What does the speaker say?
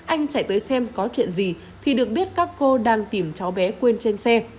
anh chạy tới xem có chuyện gì thì được biết các cô đang tìm cháu bé quên trên xe